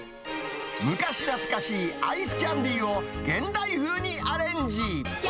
昔懐かしいアイスキャンディーを現代風にアレンジ。